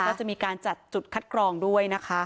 ก็จะมีการจัดจุดคัดกรองด้วยนะคะ